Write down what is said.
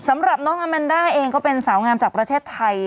สำหรับน้องอาแมนด้าเองก็เป็นสาวงามจากประเทศไทย